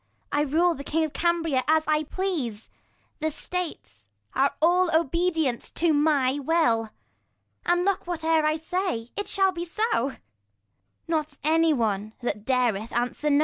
I rule the king of Cambria as I please : 5 The states are all obedient to my will ; And look whatever I say, it shall be so, Not any one that dareth answer no.